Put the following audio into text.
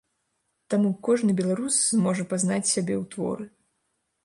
Таму кожны беларус зможа пазнаць сябе ў творы.